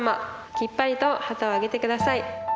きっぱりと旗を上げて下さい。